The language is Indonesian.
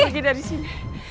aku harus pergi dari sini